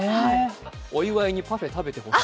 お祝いにパフェ食べてほしい。